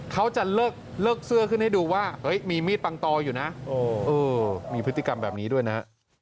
เขาจะเลิกเสื้อขึ้นให้ดูว่ามีมีดปังตออยู่นะมีพฤติกรรมแบบนี้ด้วยนะ